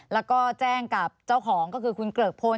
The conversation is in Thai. แล้วก็แจ้งกับเจ้าของก็คือคุณเกริกพล